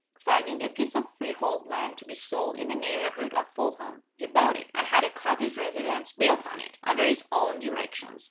Finding a piece of freehold land to be sold in the neighborhood of Fulham, he bought it, and had a cottage residence built on it, under his own directions.